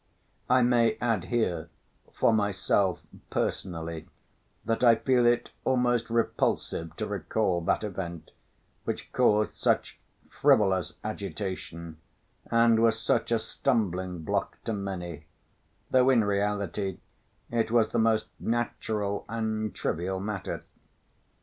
I may add here, for myself personally, that I feel it almost repulsive to recall that event which caused such frivolous agitation and was such a stumbling‐block to many, though in reality it was the most natural and trivial matter.